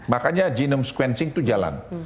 makanya genome sequencing itu jalan